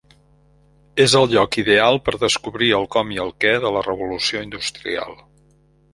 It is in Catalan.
És el lloc ideal per descobrir el com i el què de la Revolució Industrial.